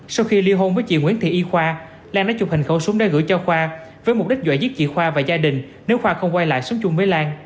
sau khi ly hôn với chị nguyễn thị y khoa lan đã chụp hình khẩu súng để gửi cho khoa với mục đích dọa giết chị khoa và gia đình nếu khoa không quay lại sống chung với lan